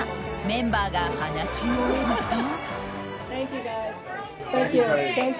メンバーが話し終えると。